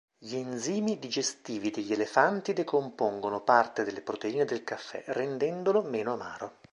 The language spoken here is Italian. Gli enzimi digestivi degli elefanti decompongono parte delle proteine del caffè, rendendolo meno amaro.